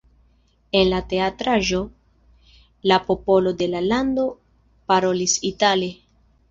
En la teatraĵo la popolo de la lando parolis itale.